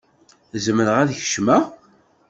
Zemreɣ ad kecmeɣ?